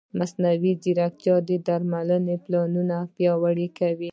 مصنوعي ځیرکتیا د درملنې پلانونه پیاوړي کوي.